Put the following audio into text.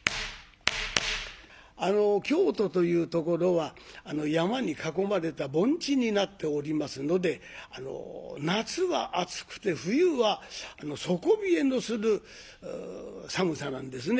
あの京都というところは山に囲まれた盆地になっておりますので夏は暑くて冬は底冷えのする寒さなんですね。